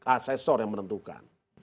asesor yang menentukan